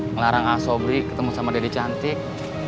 ngelarang asobri ketemu sama deddy cantik